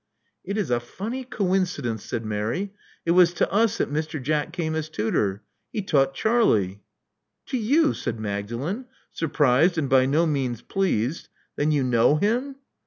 It is a funny coincidence, said Mary. It was to us that Mr. Jack came as tutor. He taught Charlie.*' To you!'* said Magdalen, surprised and by no means pleased. Then you know him?